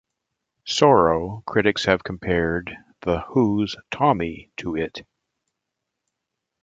Sorrow", critics have compared The Who's "Tommy" to it.